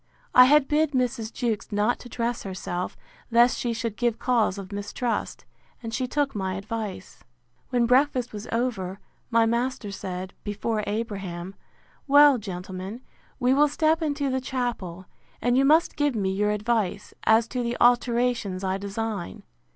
I had bid Mrs. Jewkes not to dress herself, lest she should give cause of mistrust; and she took my advice. When breakfast was over, my master said, before Abraham, Well, gentlemen, we will step into the chapel; and you must give me your advice, as to the alterations I design.